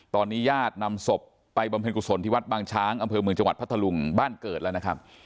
ตอนนี้ญาตินำศพไปบำเพ็ญกุศลที่วัดบางช้างอำเภอเมืองจังหวัดพัทธลุงบ้านเกิดแล้วนะครับ